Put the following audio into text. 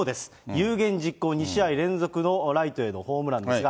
有言実行、２試合連続のライトへのホームランですが、